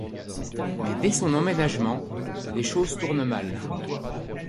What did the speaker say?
Mais, dès son emménagement, les choses tournent mal...